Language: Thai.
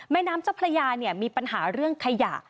แม่น้ำเจ้าพระยามีปัญหาเรื่องขยะ